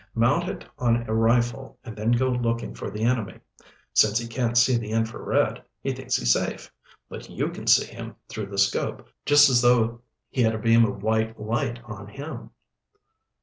Mount it on a rifle and then go looking for the enemy. Since he can't see the infrared, he thinks he's safe. But you can see him through the 'scope just as though he had a beam of white light on him."